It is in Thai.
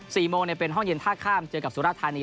สี่โมงในเป็นห้องเย็นท่าข้ามเจอกับสุรษะธารณี